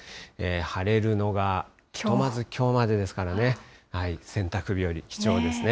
晴れるのが、ひとまずきょうまでですからね、洗濯日和、貴重ですね。